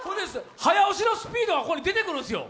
早押しのスピードがここに出てくるんですよ。